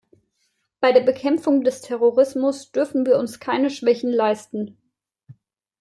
Bei der Bekämpfung des Terrorismus dürfen wir uns keine Schwächen leisten.